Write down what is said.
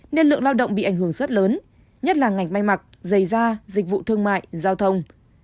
nên lượng lao động bị ảnh hưởng rất lớn nhất là ngành may mặc giày da dịch vụ thương mại giao thông